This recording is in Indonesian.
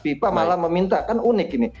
fifa malah meminta kan unik ini